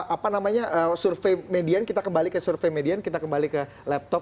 apa namanya survei median kita kembali ke survei median kita kembali ke laptop